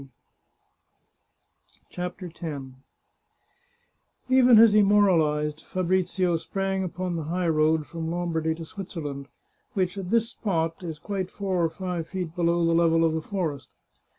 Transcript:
CHAPTER X Even as he moralized, Fabrizio sprang upon the high road from Lombardy to Switzerland, which, at this spot, is quite four or five feet below the level of the forest.